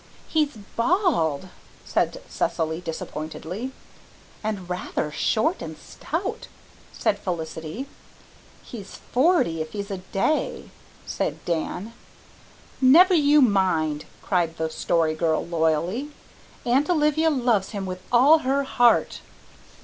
"He's bald," said Cecily disappointedly. "And RATHER short and stout," said Felicity. "He's forty, if he's a day," said Dan. "Never you mind," cried the Story Girl loyally, "Aunt Olivia loves him with all her heart."